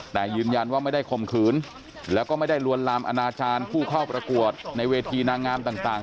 แต่ยืนยันว่าไม่ได้ข่มขืนแล้วก็ไม่ได้ลวนลามอนาจารย์ผู้เข้าประกวดในเวทีนางงามต่าง